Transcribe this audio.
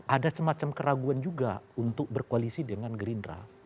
ada semacam keraguan juga untuk berkoalisi dengan gerindra